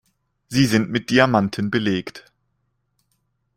Sie sind mit Diamanten belegt.